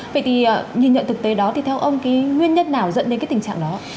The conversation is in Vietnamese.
vậy thì nhìn nhận thực tế đó thì theo ông cái nguyên nhân nào dẫn đến cái tình trạng đó